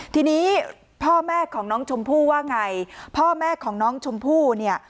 ทีนี้พ่อแม่ของน้องชมพู่ว่าไงพ่อแม่ของน้องชมพู่เนี่ย